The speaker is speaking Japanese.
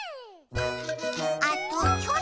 あとちょっと。